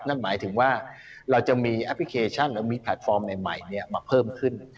นั่นหมายถึงว่าเราจะมีแอปพลิเคชันหรือมีแพลตฟอร์มใหม่มาเพิ่มขึ้น